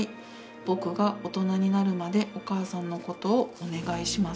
僕が大人になるまでお母さんの事をお願いします」。